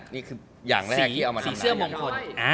สีเสื้อมงคล